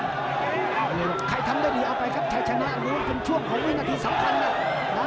ใครทำได้ดีเอาไปครับชายชนะอารมณ์เป็นช่วงของวิ่งหน้าที่สำคัญนะ